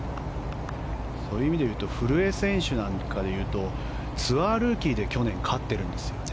そういう意味でいうと古江選手なんかでいうとツアールーキーで去年、勝ってるんですね。